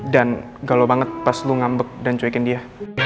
dan galau banget pas lo ngambek dan cuekin dia